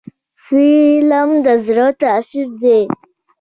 فلم د زړه تاثیر دی